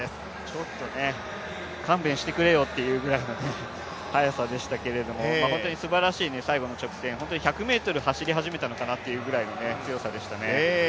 ちょっとね、勘弁してくれよというぐらいの速さでしたけど本当にすばらしい最後の直線、１００ｍ走り始めたのかなというぐらいの強さでしたね。